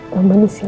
kamu di sini